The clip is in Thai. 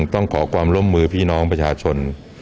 ต้องขอความร่วมมือพี่น้องประชาชน